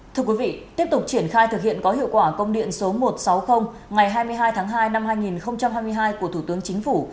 thưa quý vị tiếp tục triển khai thực hiện có hiệu quả công điện số một trăm sáu mươi ngày hai mươi hai tháng hai năm hai nghìn hai mươi hai của thủ tướng chính phủ